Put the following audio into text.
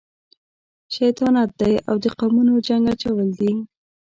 شیطانت دی او د قومونو جنګ اچول دي.